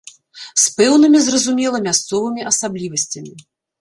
З пэўнымі, зразумела, мясцовымі асаблівасцямі.